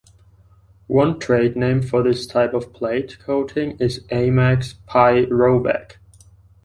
One trade name for this type of plate coating is Eimac's "pyrovac".